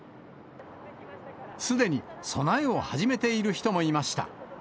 すでに備えを始めている人もいました。